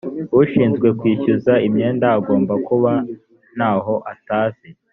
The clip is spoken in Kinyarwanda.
ushinzwe kwishyuza imyenda agomba kuba ntaho atazi